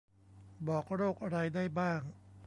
บอกโรคอะไรได้บ้าง